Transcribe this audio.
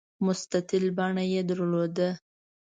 مستطیل بڼه یې درلوده.